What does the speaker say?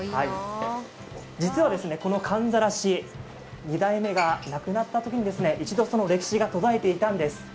実はこのかんざらし、２代目が亡くなったときに一度その歴史が途絶えていたんです。